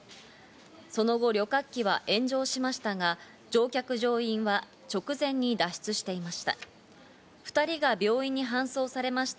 その後、旅客機は炎上しましたが、乗っていた乗客乗員は直前に脱出していました。